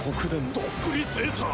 とっくりセーター？